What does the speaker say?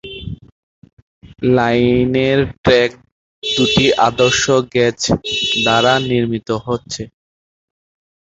লাইনের ট্র্যাক দুটি আদর্শ গেজ দ্বারা নির্মিত হচ্ছে।